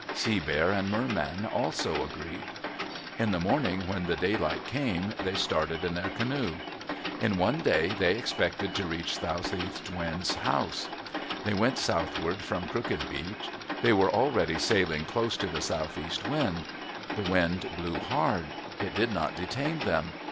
Sea Bear and Merman also agreed. In the morning, when daylight came, they started in their canoe. In one day they expected to reach Southeast Wind's house. They went southward from Crooked Beach. They were already sailing close to the southeast wind. The wind blew hard. It did not detain them.